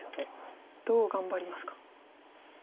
どう頑張りますか。